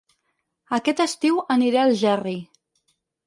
Aquest estiu aniré a Algerri